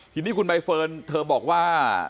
ทีนี้คุณใบเฟิร์นเธอบอกว่า